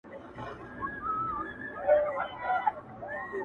د کتاب ستر پیغام همدا دی